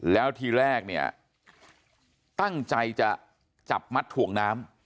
แล้วทีแรกเนี่ยตั้งใจจะจับมัดถ่วงน้ำ